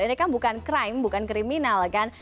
ini kan bukan crime bukan kriminal kan